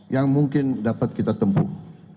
yang mungkin dapat kita tempuh